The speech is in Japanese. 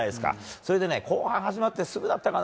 それで後半始まってすぐだったかな。